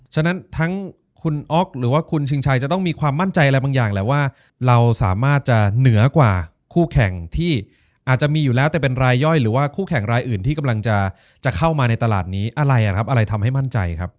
ฉะนั้นทั้งคุณอ๊อกหรือว่าคุณชิงชัยจะต้องมีความมั่นใจอะไรบางอย่างแหละว่าเราสามารถจะเหนือกว่าคู่แข่งที่อาจจะมีอยู่แล้วแต่เป็นรายย่อยหรือว่าคู่แข่งรายอื่นที่กำลังจะเข้ามาในตลาดนี้อะไรทำให้มั่นใจครับ